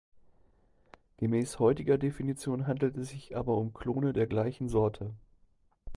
Gemäß heutiger Definition handelt es sich aber um Klone der gleichen Sorte.